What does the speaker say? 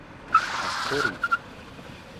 ازچه رو